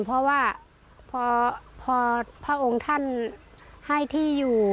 เพราะว่าพอพระองค์ท่านให้ที่อยู่